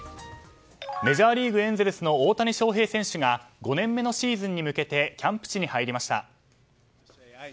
メジャーリーグエンゼルスの大谷翔平選手が５年目のシーズンに向けてキャンプ地に入りました。